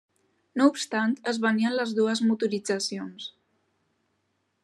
No obstant es venien les dues motoritzacions.